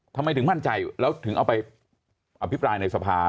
ทำไมถึงมั่นใจแล้วถึงเอาไปอภิปรายในสภา